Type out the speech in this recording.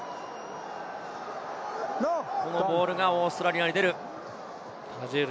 このボールがオーストラリアに出るタジェール。